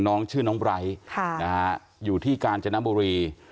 น้องชื่อน้องไรค่ะนะฮะอยู่ที่กาญจนบุรี